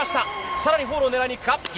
さらにフォールを狙いにいくか。